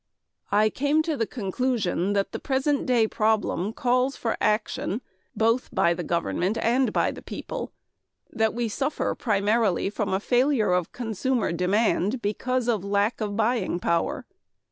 I came to the conclusion that the present day problem calls for action both by the government and by the people, that we suffer primarily from a failure of consumer demand because of lack of buying power.